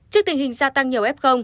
trước tình hình gia tăng nhiều f